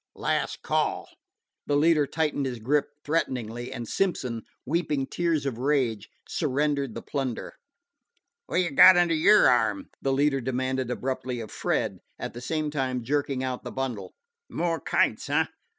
Last call." The leader tightened his grasp threateningly, and Simpson, weeping tears of rage, surrendered the plunder. "Wot yer got under yer arm?" the leader demanded abruptly of Fred, at the same time jerking out the bundle. "More kites, eh?